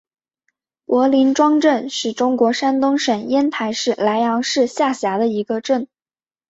柏林庄镇是中国山东省烟台市莱阳市下辖的一个镇。